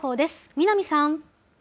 南さん。